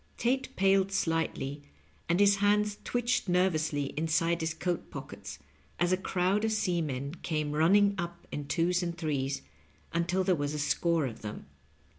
Tate paled slightly, and his hands twitched nervously inside his coat pockets, as a crowd of seamen came run ning up in twos and threes, until there was a score of them.